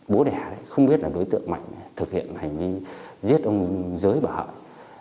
bố đẻ không biết là đối tượng mạnh thực hiện hành vi giết ông giới bà hợi